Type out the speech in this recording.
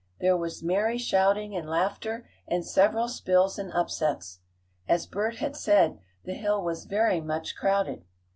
There was merry shouting and laughter, and several spills and upsets. As Bert had said, the hill was very much crowded.